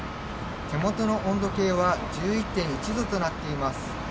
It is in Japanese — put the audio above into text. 手元の温度計は１１．１度となっています。